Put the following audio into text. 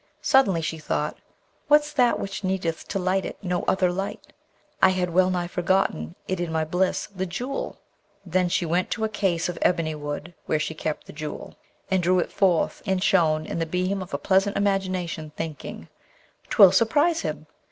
Suddenly she thought, 'What's that which needeth to light it no other light? I had well nigh forgotten it in my bliss, the Jewel!' Then she went to a case of ebony wood, where she kept the Jewel, and drew it forth, and shone in the beam of a pleasant imagination, thinking, ''Twill surprise him!'